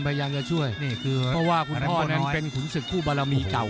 พยายามจะช่วยนี่คือเพราะว่าคุณพ่อนั้นเป็นขุนศึกคู่บารมีเก่า